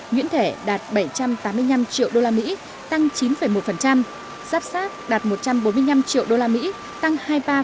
nhuyễn thể đạt bảy trăm tám mươi năm triệu usd tăng chín một giáp sát đạt một trăm bốn mươi năm triệu usd tăng hai mươi ba